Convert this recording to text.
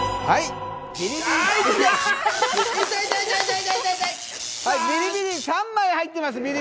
はいビリビリ３枚入ってます